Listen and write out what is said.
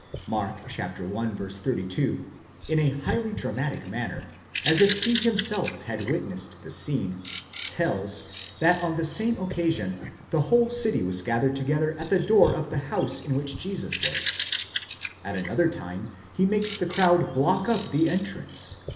Mark (i. 32) in a highly dramatic manner, as if he himself had witnessed the scene, tells, that on the same occasion, the whole city was gathered together at the door of the house in which Jesus was; at another time, he makes the crowd block up the entrance (ii.